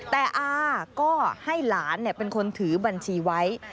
แต่อาก็ให้หลานเป็นคนถือบัญชีไว้